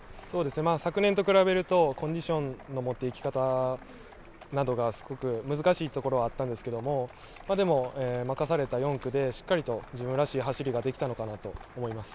昨年と比べるとコンディションの持っていき方などがすごく難しいところはあったんですけれども、でも待たされた４区でしっかりと自分らしい走りができたのかなと思います。